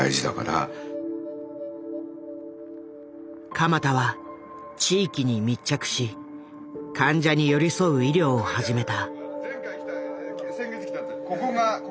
鎌田は地域に密着し患者に寄り添う医療を始めた。